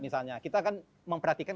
misalnya kita akan memperhatikan